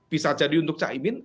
bisa jadi untuk caimin